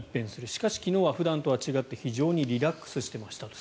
しかし、昨日は普段とは違って非常にリラックスしていましたと。